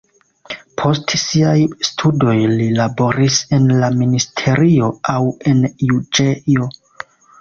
Post siaj studoj li laboris en la ministerio aŭ en juĝejo.